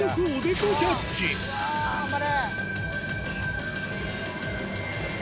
頑張れ！